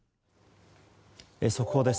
速報です。